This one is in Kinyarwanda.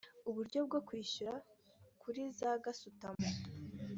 uburyo bwo kwishyura kuri za gasutamo